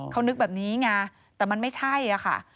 เขานึกแบบนี้ไงแต่มันไม่ใช่ค่ะ